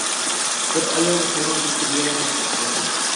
بىر ئايالغا سايلام بېلىتى بېرىلمەي قاپتۇ.